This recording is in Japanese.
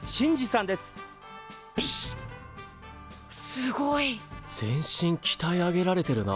すごい！全身きたえ上げられてるな。